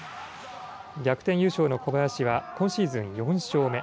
逆転優勝の小林は今シーズン４勝目。